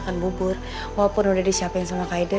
sampai jumpa di video selanjutnya